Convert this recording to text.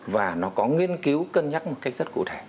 và nó có nghiên cứu cân nhắc một cách rất cụ thể